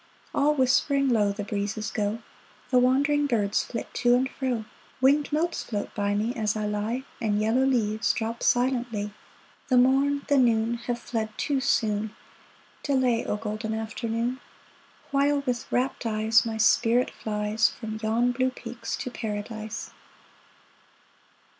All whispering low, The breezes go — The wandering birds flit to and fro ; Winged motes float by Me as I lie, And yellow leaves drop silently. AFTERNOON 39I The morn, the noon, Have fled too soon — Delay, O golden afternoon, While with rapt eyes My spirit flies From yon blue peaks to Paradise